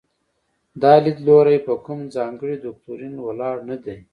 دا لیدلوری په کوم ځانګړي دوکتورین ولاړ نه دی.